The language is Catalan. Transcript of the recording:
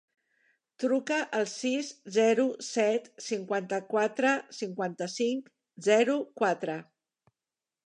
Truca al sis, zero, set, cinquanta-quatre, cinquanta-cinc, zero, quatre.